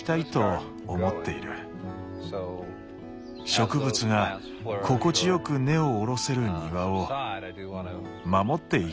植物が心地よく根を下ろせる庭を守っていきたいんだ。